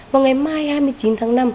vào ngày mai hai mươi chín tháng năm